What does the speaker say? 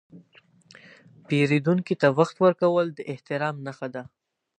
پیرودونکي ته وخت ورکول د احترام نښه ده.